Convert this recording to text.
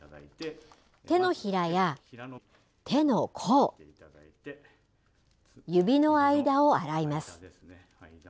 手のひらや手の甲指の間を洗います。